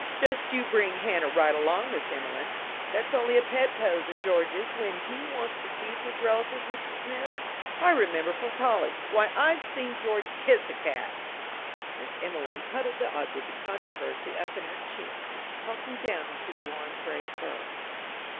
"Just you bring Hanna right along, Miss Emelene. That's only a pet pose of George's when he wants to tease his relatives, Mrs. Smith. I remember from college why I've seen George kiss a cat!" Miss Emelene huddled the object of controversy up in her chin, talking down into the warm gray fur.